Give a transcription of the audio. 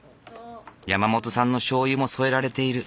山本さんのしょうゆも添えられている。